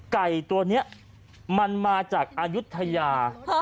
ไก่ตัวนี้มันมาจากอายุทยา